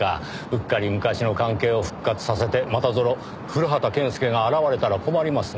うっかり昔の関係を復活させてまたぞろ古畑健介が現れたら困ります。